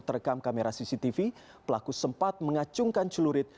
terekam kamera cctv pelaku sempat mengacungkan celurit